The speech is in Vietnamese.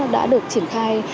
đã được triển khai